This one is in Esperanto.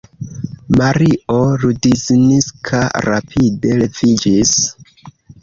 Mario Rudzinska rapide leviĝis.